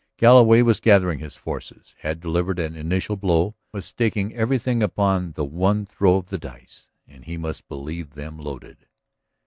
Galloway was gathering his forces, had delivered an initial blow, was staking everything upon the one throw of the dice. And he must believe them loaded.